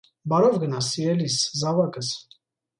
Բարով գնաս, սիրելիս, զավակս: